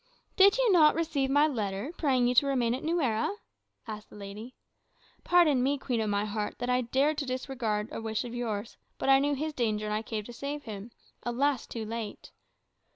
"Did you not receive my letter, praying you to remain at Nuera?" asked the lady. "Pardon me, queen of my heart, in that I dared to disregard a wish of yours. But I knew his danger, and I came to save him. Alas! too late."